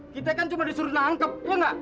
kita kan cuma disuruh nangkep ya nggak